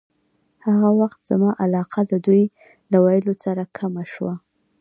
هغه وخت زما علاقه د دوی له ویلو سره کمه شوه.